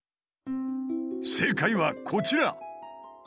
正解はこちら！